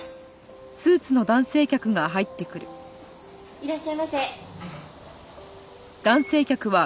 いらっしゃいませ。